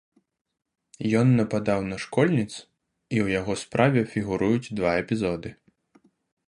Ён нападаў на школьніц і у яго справе фігуруюць два эпізоды.